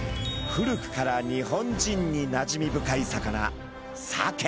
古くから日本人になじみ深い魚サケ。